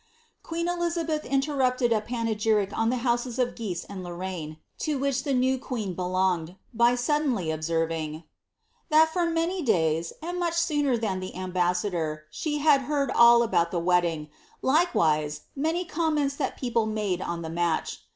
Queen Elizabeth interrupted a panegyric on the houses of Guise and Lonaine, to which the new queen belonged, by suddenly observing, *^ that for many days, and much sooner than the ambassador, she had beard all about the wedding; likewise, many comments that people Bade on the match.